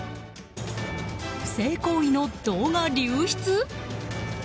不正行為の動画流出？